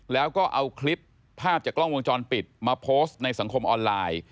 แล้วก็เอาคลิปภาพจากกล้องวงจรปิดมาโพสต์ในสังคมออนไลน์